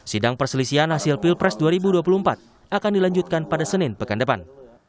sidang perselisihan hasil pilpres dua ribu dua puluh empat akan dilanjutkan pada senin pekan depan